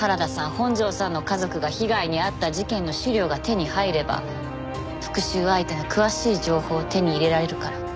本条さんの家族が被害に遭った事件の資料が手に入れば復讐相手の詳しい情報を手に入れられるから。